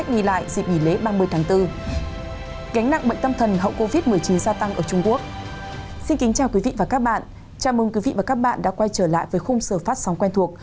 chào mừng quý vị và các bạn đã quay trở lại với khung sở phát sóng quen thuộc